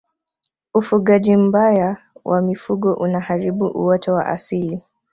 ufugaji mbaya wa mifugo unaharibu uoto wa asili